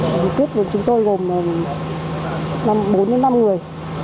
tổ tiêm của chúng tôi gồm bốn năm người